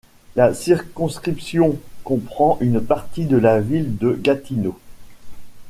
La circonscription comprend une partie de la ville de Gatineau.